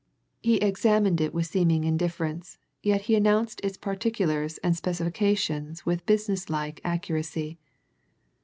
He examined it with seeming indifference, yet he announced its particulars and specifications with business like accuracy.